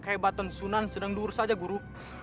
kehebatan sunan sedang dulu saja guru